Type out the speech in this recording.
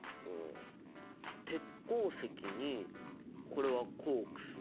鉄鉱石にこれはコークス。